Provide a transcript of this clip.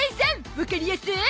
わかりやすい